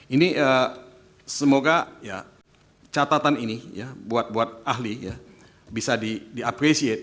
ini semoga catatan ini ya buat ahli bisa diapreciate